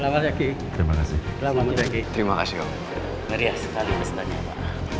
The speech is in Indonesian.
mari ya sekali pesannya